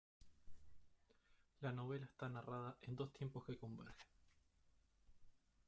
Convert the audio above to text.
La novela está narrada en dos tiempos que convergen.